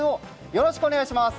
よろしくお願いします。